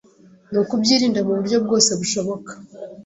nukubyirinda mu buryo bwose bushoboka.